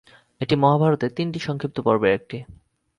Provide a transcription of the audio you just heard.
এটি মহাভারতের তিনটি সংক্ষিপ্ত পর্বের একটি।